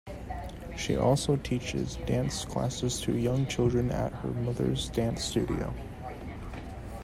She also teaches dance classes to young children at her mother's dance studio.